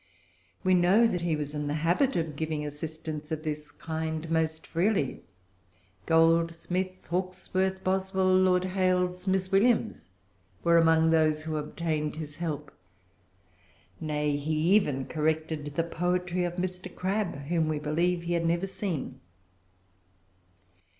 We know that he was in the habit of giving assistance of this kind most freely. Goldsmith, Hawkesworth, Boswell, Lord Hailes, Mrs. Williams were among those who obtained his help. Nay, he even corrected the poetry of Mr. Crabbe, whom, we believe, he had never seen.